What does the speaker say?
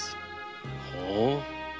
ほう。